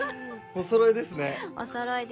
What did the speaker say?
おそろいですね。